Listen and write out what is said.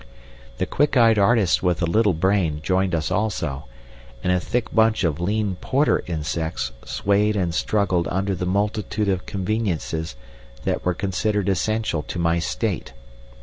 The quick eyed artist with the little brain joined us also, and a thick bunch of lean porter insects swayed and struggled under the multitude of conveniences that were considered essential to my state.